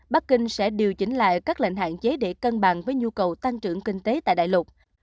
bắc kinh sẽ điều chỉnh lại các lệnh hạn chế để cân bằng với nhu cầu tăng trưởng kinh tế tại đại lục